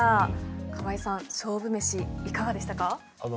川合さん勝負飯いかがでしたか。